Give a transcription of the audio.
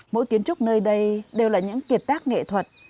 mỗi kiến trúc nơi đây đều là những kiệt tác nghệ thuật